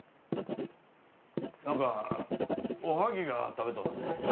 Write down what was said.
何かおはぎが食べとうなって。